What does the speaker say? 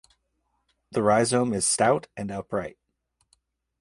The rhizome is stout and upright.